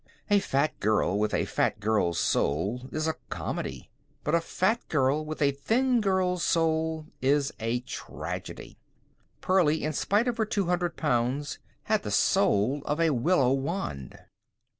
A fat girl with a fat girl's soul is a comedy. But a fat girl with a thin girl's soul is a tragedy. Pearlie, in spite of her two hundred pounds, had the soul of a willow wand.